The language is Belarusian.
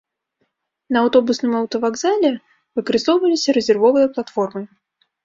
На аўтобусным аўтавакзале выкарыстоўваліся рэзервовыя платформы.